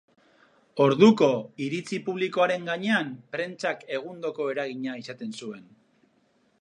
Orduko, iritzi publikoaren gainean prentsak egundoko eragina izaten zuen.